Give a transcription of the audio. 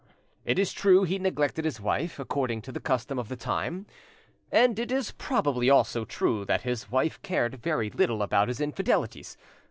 It is true he neglected his wife, according to the custom of the time, and it is probably also true that his wife cared very little about his infidelities.